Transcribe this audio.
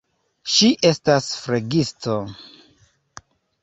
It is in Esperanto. Ŝi estas flegisto.